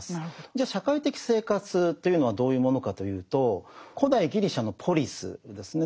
じゃ社会的生活というのはどういうものかというと古代ギリシャのポリスですね